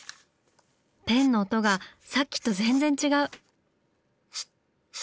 ペンの音がさっきと全然違う！